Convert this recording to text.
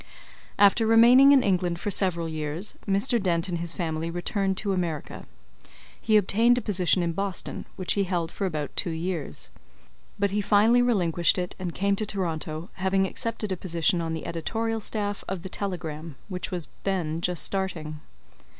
After remaining in England for several years, Mr. Dent and his family returned to America. He obtained a position in Boston, which he held for about two years. But he finally relinquished it and came to Toronto, having accepted a position on the editorial staff of the Telegram, which was then just starting.